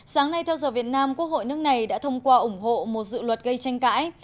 sáng nay theo giờ việt nam quốc hội nước này đã thông qua ủng hộ một dự luật gây tranh cãi